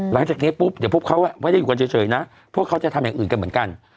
หลังจากนี้ปุ๊บเดี๋ยวพวกเขาไม่ได้อยู่กันเฉยนะพวกเขาจะทำอย่างอื่นกันเหมือนกัน